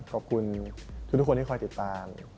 ขอบคุณทุกคนที่คอยติดตาม